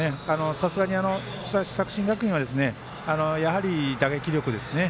さすがに、作新学院はやはり打撃力ですね。